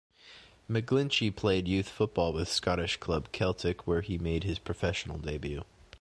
McGlinchey played youth football with Scottish club Celtic, where he made his professional debut.